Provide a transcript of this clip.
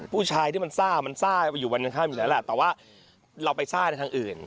ผู้ชายที่มันซ่ามันซ่าไปอยู่วันข้างอยู่แล้วแหละแต่ว่าเราไปซ่าในทางอื่น